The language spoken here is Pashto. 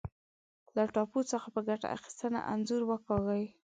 له ټاپو څخه په ګټه اخیستنه انځور وکاږئ.